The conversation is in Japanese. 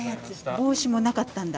帽子もなかったんだ。